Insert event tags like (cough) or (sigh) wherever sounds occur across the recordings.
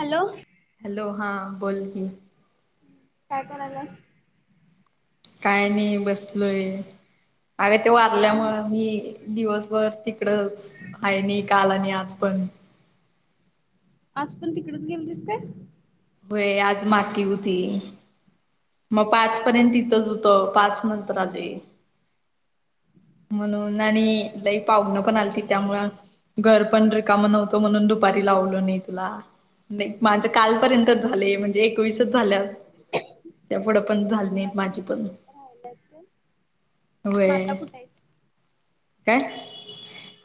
Hello hello हा बोल की काय करायल्यास,? काय नाही बसलोय, अग ते दुकानात वारल्यामुळे मी दिवसभर तिक कडच, आणि काल आणि आज पण आज पण तिकडच गेलतीस काय? व्हय आज माती हुती. म पाच पर्यंत तिथच हुतो पाच नंतर आले. म्हणून आणि लई पाव्हणं पण आलतीत त्यामुळं घर पण रिकामं नव्हतं म्हणून दुपारी लावलो नई तुला. नई, माझं कालपर्यंतच झालय म्हणजे एकवीसच झाल्यात. (inaudible) त्या पुुढं पण झाल नईत अजून माझी पण, राहिलात काय मग आता व्हय कुठे आहेस काय,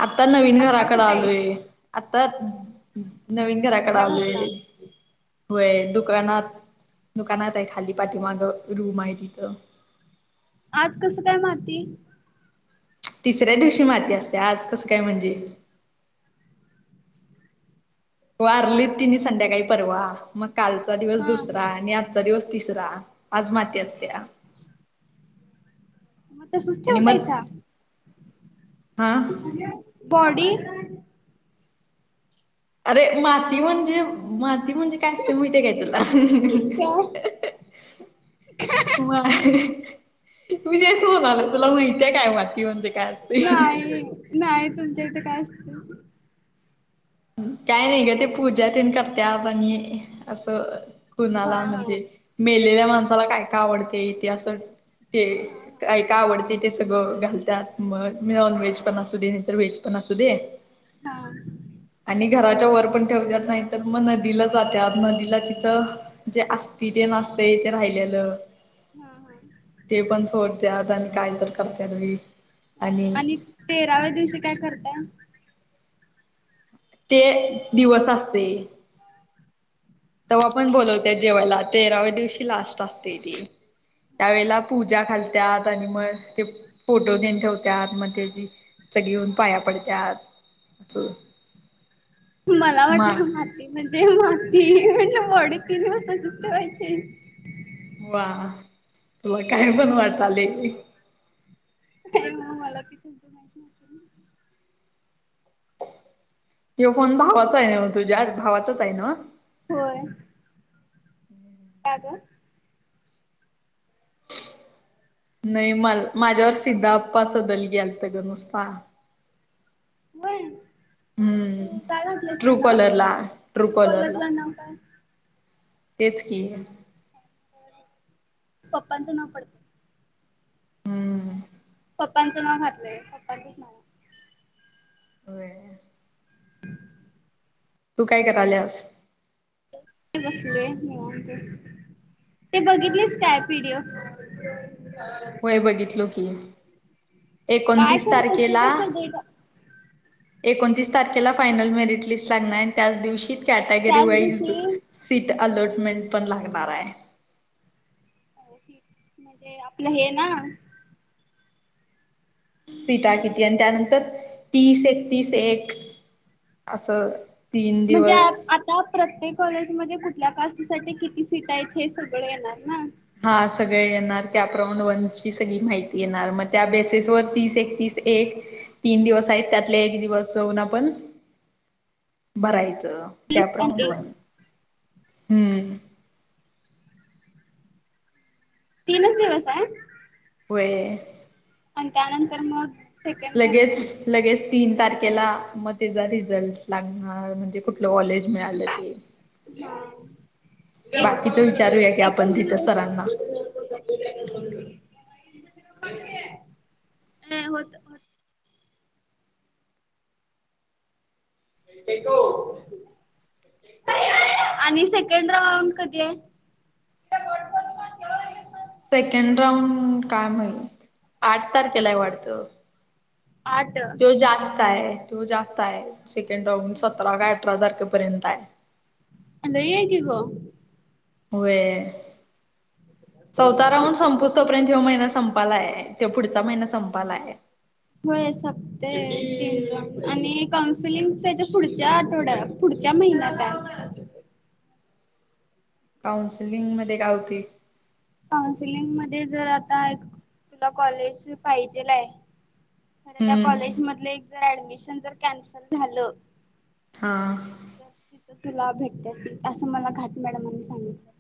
आता नवीन आत्ता घराकडं कुठे आहेस आलोय आता नवीन घराकडं तुमच्या घरला आलोय. व्हय दुकानात, दुकानात हायत खाली पाठीमागं रूम हाय तिथं आज कसं काय माती? तिसऱ्या दिवशी माती असत्या, आज कसं काय म्हणजे? वारली तिनी संध्याकाळी परवा, मग कालचा दिवस हा दुसरा मग आणि आजचा दिवस तिसरा. आज माती असत्या. (unintelligible) म तसच आणि मग ठेवतायसा. हा बॉडी अरे माती म्हणजे, माती म्हणजे? काय असत माहितय काय तुला? काय? माती, मी तेच म्हणालोय तुला माहिताय काय माती म्हणजे? काय असते न्हाई, न्हाई तुमच्या इथे काय असतय काय नाई ग ते पूजा तेन करत्यात आणि असं हा कुणाला हा म्हणजे, हा मेलेल्या माणसाला काय काय आवडतय ते असं ते काय? काय आवडतय ते सगळं घालत्यात, मग नॉन व्हेज पण असू दे नाहीतर व्हेज पण असू दे. हा आणि घराच्या वर पण ठेवत्यात न्हाई तर म नदीला जात्यात नदीला तिच जे आस्थी तेन असतंय ते राहिल्याल हा हा ते पण सोडत्यात आणि काय तर करत्यात बाई. आणि तेराव्या दिवशी काय करताय? ते दिवस असतंय. तवा पण बोलवत्यात जेवायला तेराव्या दिवशी लास्ट असतेय ते. त्यावेेळेला पूजा घालत्यात आणि मग ते फोटो तेन ठेवत्यात मग त्याची सगळी येऊन हा पाया पडत्यात असं हा मग ते म्हंजे माती म्हंजे मडी तीन दिवस तसीच ठेवायची? वाह! तुला काय पण वाटलंय. काय मग मला ते तुमचं माहित नव्हतं (unintelligible) त्यो फोन भावाचा आहे न्हवं, तुझ्या भावाचाच आहे नव्ह? होय. का ग? नाही मल माझ्यावर सिधाप्पा सदलगे आलत गं नुसता. व्हय? हम्म ट्रू काॅलर ला ट्रू कॉलर ला. कॉलरला नाव काय तेच की. पप्पांचं नाव पडत हम्म. पप्पांचं नाव घातलंय पप्पांचच नाव व्हय. तू काय करल्यास? काय नाही बसलोय निवांत. ते बघितलीस काय पी. डी. एफ.? बघितलो की काय एकोणतीस खरं कसं तारखेला कसं डेट एकोणतीस तारखेला फायनल मेरिट लिस्ट लागणार आहे आणि त्याच दिवशी कॅटेगरी त्याच वाईज दिवशी सीट अलॉटमेंट पण लागणार आहे. म्हणजे आपलं हे ना? सीटा किती आणि त्यानंतर तीस एकतीस एक असं तीन म्हणजे दिवस आता प्रत्येक कॉलेजमध्ये कुठल्या कास्टसाठी किती सीटा आहेत हे सगळं येणार ना? हां सगळं येणार त्याप्रमाणे वन ची सगळी माहिती येणार मग त्या बेसेस वर तीस एकतीस एक तीन दिवस आहेत, त्यातले एक दिवस जाऊन आपण भरायचं तीस आणि कॅपराऊंड एक वन हम्म तीनच दिवस आहेत? होय. आणि त्यानंतर मग? सेकंड पेपर लगेच लगेच तीन तारखेला मग त्याचा रिझल्ट लागणार म्ह म्हणजे कुठलं कॉलेज मिळालं ते. हां एक बाकीच विचारूया की आपण एकच तिथं दिवस सरांना नाही होत आणि सेकंड राऊंड कधी आहे? सेकंड राऊंड काय माहीत? आठ तारखेला आहे वाढतं. आठ तो जास्त आहे. तो जास्त आहे सेकंड राऊंड सतरा काय अठरा तारखेपर्यंत आहे. लई आहे की गं. होय. चौथा राऊंड संपूस तो पर्यंत, ह्यो महिना संपालाय. ज्यो पुढचा महिना संपालाय. होय, सप ते तीन आणि काउन्सिलिंग त्याच्या पुढच्या आठवड्यात, पुढच्या महिन्यात आहे. काउन्सलिंग मध्ये काय होतंय? काउन्सिलिंग मध्ये जर आता, एक तुला कॉलेज पाहिजेल आहे खर त्या कॉलेज हम्म मधले एक जर ऍडमिशन जर कॅन्सल झालं हां. तर तिथं तुला भेटते असलं, असं मला घाट मॅडमांनी सांगितलं.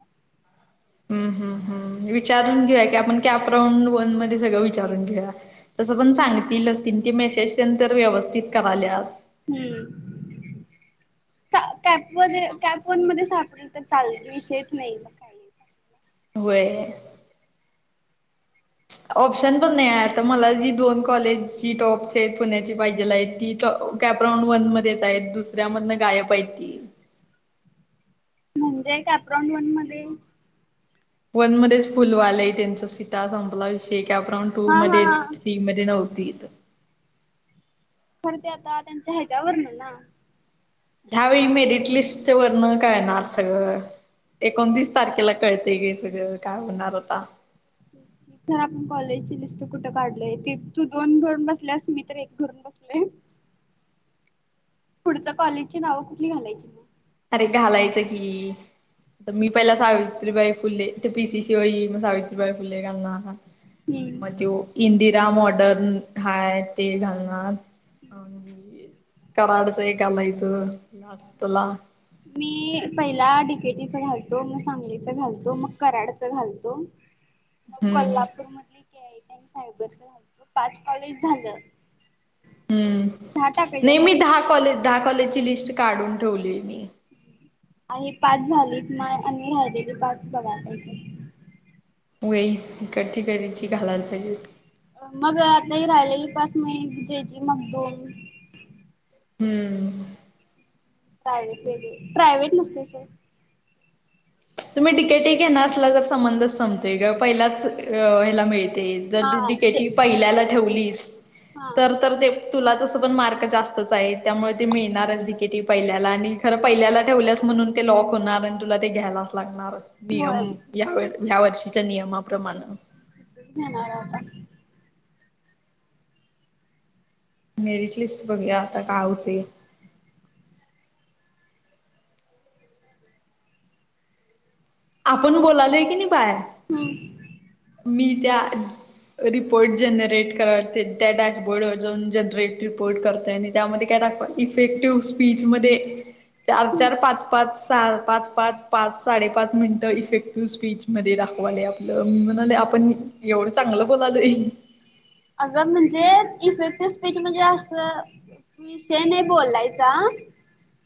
हम्म.. हम्म.. हम्म. विचारून घेऊया की आपण. कॅप राऊंड वन मध्ये सगळं विचारून घेऊया. तसं पण सांगतीलच ती. ती मेसेज तेन तर व्यवस्थित कराल्यात. हम्म. चा कॅपमध्ये कॅप वन मध्ये सापडली तर चाल, विषयाचं नाही म काय. होय. ऑप्शन पण नाही आहे आता. मला जी दोन कॉलेज, जी टॉपचे आहेत पुण्याची पाहिजेल आहे ती कॅपराऊंड वन मध्येच आहेत. दुसऱ्यामधनं गायब आहे ती. म्हणजे कॅप राऊंड वन मध्ये वनमध्येच फुलं व्हायलय त्यांच सीटा. संपला विषय कॅप राऊंड तू हा मध्ये, हा ती मध्ये नव्हती इथं. खरं ते आता त्यांच्या ह्याज्यावरन ना. ह्या वेळी मेरिट लिस्ट वरनं कळणार सगळं. एकोणतीस तारखेला कळतंय घे सगळं, काय होणार आता. खर आपण कॉलेजची लिस्ट कुठं काढलंय. त तू दोन भरून बसल्यास मी तर एक भरून बसले. पुढंचा कॉलेजची नाव कुठली घालायची? अरे, घालायचं की. त मी पहिला सावित्रीबाई फुले, ते P. C. C. O. E. मग सावित्रीबाई फुले घालना म हम्म त्यो इंदिरा, मॉडन हाय ते घालणार. कराडच एक घालायचं, लास्टला. मी पहिला डि. के. टी. च घालतो, मग सांगलीच घालतो, मग कराडच घालतो. ह मग हम्म कोल्हापूर मधले के. आय. टी आणि सायबरच झालं की, पाच कॉलेज झालं. हम्म. दहा टाकायचे नाही मी असतात दहा कॉलेज, दहा कॉलेजची लिस्ट काढून ठेवली मी. हा ही पाच झालीत आणि राहिलेली पाच बघायला पाहिजेत. होय. इकडची तिकडची घालायला पाहिजेत. मग आता ही राहिलेली पाच मी जे. जे. मगदुम हम्म. प्रायव्हेट वेगळे, प्रायव्हेट नसले तर? तुम्ही डी. के. टी घेणार असला तर संबंधच संपतय गं. पहिल्याच ह्याला मिळ ते जर हा तू डी. के ते टी. पहिल्याला ठेवलीस, हा तर तर ते ते तुला तसं पण मार्क जास्तच आहेत, त्यामुळे ते मिळणारच डी. के. टी पहिल्याला आणि खरं पहिल्याला ठेवल्यास, म्हणून ते लॉक होणार. आणि तुला ते घ्यायलाच लागणार. नियम होय या या वर्षीच्या नियमाप्रमाण. (unintelligible) मेरिट लिस्ट बघुया आता, काय होते. आपण बोलालोय की, नाही बाहेर. हम, ''मी त्या. रिपोर्ट जनरेट करायला ते त्या डॅशबोर्डवर जाऊन जनरेट रिपोर्ट करत आणि त्यामध्ये काय दाखवाल. इफेक्टिव्ह स्पीच मध्ये चार चार पाच पाच सहा पाच पाच. पाच साडेपाच मिनिटं इफेक्टिव्ह स्पीच मध्ये दाखवाले आपलं हम मला. ला आपण ही एवढं चांगलं बोल आलोय. अगं म्हणजे इफेक्टिव्ह स्पीच म्हणजे असं. विषय नाही बोललायचा.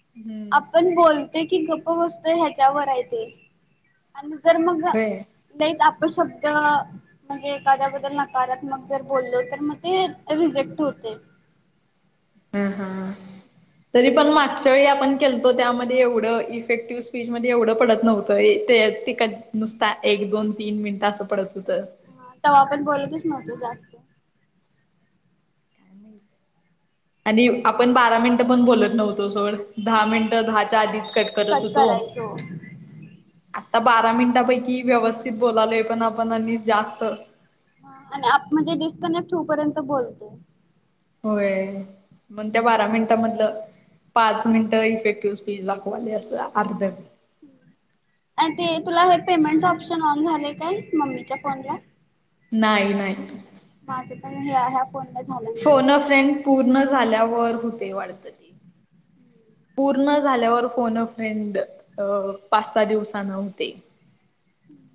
हम्म आपण बोलते की, गप बसतय ह्याच्यावरय ते. आणि जर मग लईच अपशब्द म्हणजे एखाद्याबद्दल नकारात्मक. जर बोललो तर मग ते रिजेक्ट होते. हम हम, तरी पण मागच्या वळी आपण केलतो त्यामध्ये एवढं इफेक्टिव्ह स्पीचमध्ये एवढं पडत नव्हतं ये ते. तिकड नुसता एक दोन तीन मिनिट असं पडत होतं. तव्हा आपण बोलतच नव्हतो जास्त. आणि आपण बारा मिनिटं पण बोलत नव्हतो सोड. दहा मिनिटं दहाच्या आधीच कट करत होतो. आता बारा मिनिटांपैकी व्यवस्थित बोलालोय पण आपण आधी जास्त. आणि आप म्हणजे डिस्कनेक्ट होऊपर्यंत बोलते. होय पण त्या बारा मिनिटामधलं. पाच मिनिटं इफेक्टिव्ह स्पीज दाखवाली असं अर्ध. आणि ते तुला हे पेमेंटच ऑप्शन ऑन झालेय काय मम्मीच्या फोनला. नाही नाही. माझं पण ह ह्या फोन ला झालं. नाही फोन फ्रेंड पूर्ण झाल्यावर होते वाढत. हम्म, पूर्ण झाल्यावर कोन फ्रेंड अ पाच सहा दिवसा न होते. हम्म,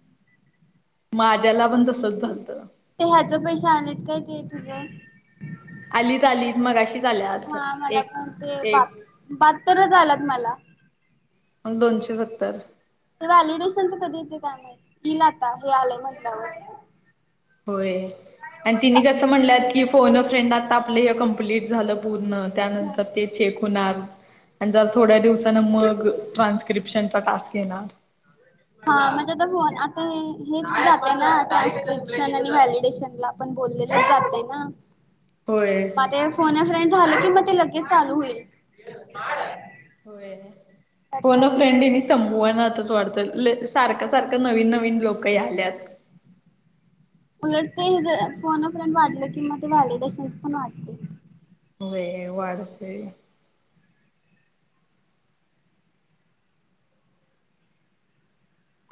माझ्याला पण तसच झाणत. ते ह्याच पैसे आणलेत काय ते तुझ्या. आली आली मगा अशीच आल्यात एक एक. बात्तर आलात मला. मग दोनशे सत्तर. ते व्हॅलिडेशनच कधी येते काय माहिती इल आता हे आलंय म्हटल्यावर. होय आणि तिने कसं म्हणलंत की, फोन फ्रेंड आता आपलं हे कम्प्ललीट झालं पूर्ण. त्यानंतर ते चेक होणार थोड्या दिवसा ट्रान्सस्क्रीप्शन. त टास्क येणार. हा, म्हणजे आता फोन आता हेच जाते ना ट्रान्स्क्रिप्शन आणि व्हॅलिडेशनला. आपण बोललेलंच जाते ना. होय म ते फोन फ्रेड झालं की, मग ते लगेच चालू होईल. होय फोन (inaudible) फ्रेंड संभवना आताच वाढतं लय सारखं सारखं नवीन नवीन लोक या आल्यात. उलट ते हे ज फोनप फ्रेंड वाटलं कि म ते व्हॅलिडेशनस पण वाटते. होय वाढतंय.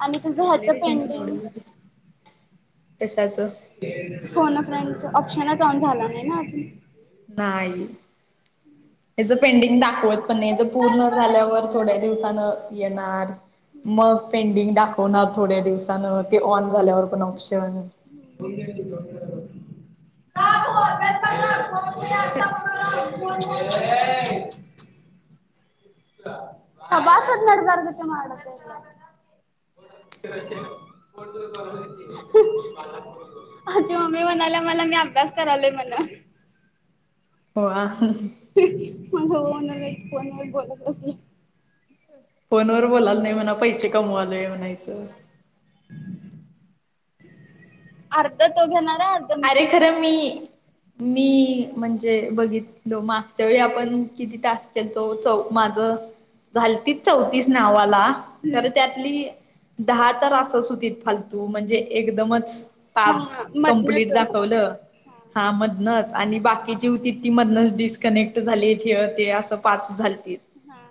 आणि तुझं ते ह्याचं व्हॅलिडेशनचं केवढं पेंडिंग झालयं?. कशाचं? फोन अ फ्रेंडचं ऑप्शनच ऑन झाला नाही ना अजून? नाही. हेजं पेंडिंग दाखवत पण नाही, हेजं पूर्ण झाल्यावर थोड्या दिवसानं येणार. मग पेंडिंग दाखवणार थोड्या दिवसानं, ते ऑन झाल्यावर पण ऑप्शन. फोन घ्या की, फोन जरा बघू. गप ठेवत्यास काय ग फोन. मी आता बघालोय.. (unintelligible) ऐ... सभासद नडदारधक माडतेल्ला (unintelligible) आमची मम्मी म्हणाल्या मला, मी अभ्यास करालोय म्हणं. हो आ हं... भाऊ म्हणालाय ती फोनवर बोलत बसल्या. फोनवर बोलालो नाही म्हणायचं, पैशे कमवालोय म्हणायचं. अर्ध तो घेणार आहे अर् अरे खरं मी, मी म्हणजे बघित तलो मागच्या वेळी आपण किती टास्क केलतो चौ माझं झालीतीत चौतीस नावाला आहे. खरं त्यातली दहा तर असचं हुतीत फालतू म्हणजे एकदमच पाच हा मधनच कंप्लीट दाखवलं. हा मधनंच आणि बाकीची हुतीत ती मधनंच डिस्कनेक्ट झालीत, ह्य, त्य असं पाच झालती. हा...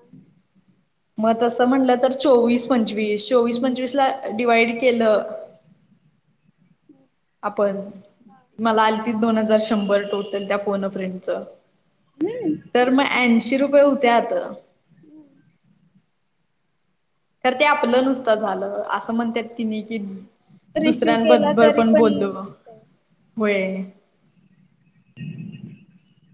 मग तसं म्हणलं तर चोवीस-पंचवीस, चोवीस-पंचवीस ला डिवाइड केलं, आपण मला आलीतीत दोन हजार, शंभर. टोटल त्या फोन फ्रेंडचं. हम्म तर मग ऐंशी रुपये हुत्यात, हू.... तर ते आपलं नुसतं झालं असं म्हणतात तिनी की, रिसिव केला दुसऱ्यांबबर तरी पण बोललो व्हय.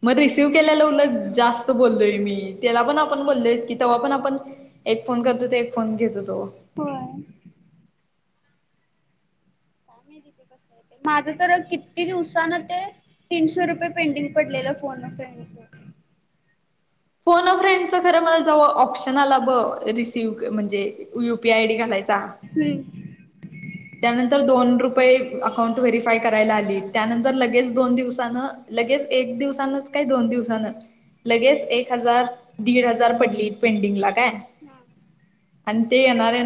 मग रिसीव्ह केल्यालं उलट जास्त बोललोय मी त्याला पण आपण बोललोयस की, तेवा पण आपण एक फोन करत हुतो, एक फोन घेत हुतो. व्हय. काय माहिती ते कस हाय ते, माझं तर किती दिवसानं ते तीनशे रुपये पेंडिंग पडलेलं फोन अ फ्रेंडच. फोन अ फ्रेंडच खरं मला जव option U P I D घालायचा. हूं... त्यानंतर दोन रुपये अकाउंट व्हेरीफाय करायला आली, त्यानंतर लगेच दोन दिवसानं लगेच एक दिवसानंच, काय दोन दिवसानं लगेच एक हजार, दीड हजार पडलीत पेंडिंगला. काय हा. आणि ते येणार-येणार